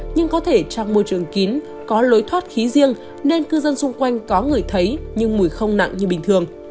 nhưng có thể trong môi trường kín có lối thoát khí riêng nên cư dân xung quanh có người thấy nhưng mùi không nặng như bình thường